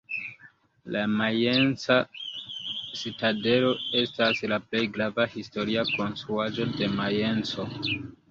La Majenca citadelo estas la plej grava historia konstruaĵo de Majenco.